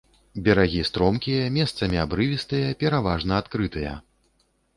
Берагі стромкія, месцамі абрывістыя, пераважна адкрытыя.